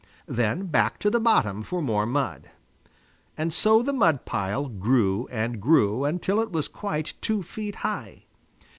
Then back to the bottom for more mud. And so the mud pile grew and grew, until it was quite two feet high.